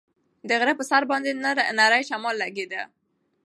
د غره په سر باندې نری شمال لګېده.